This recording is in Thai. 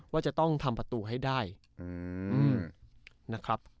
ว่าจะต้องทำประตูให้ได้นะครับ